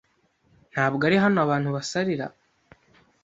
Ntabwo ari hano abantu basarira.